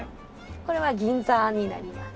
これは銀座になります。